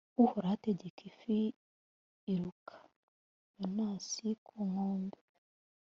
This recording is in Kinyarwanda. uhoraho ategeka ifi, iruka yonasi ku nkombe